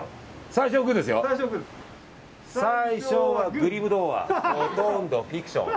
最初はグリム童話ほとんどフィクション。